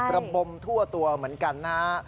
ระบมทั่วตัวเหมือนกันนะฮะ